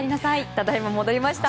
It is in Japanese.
ただいま戻りました。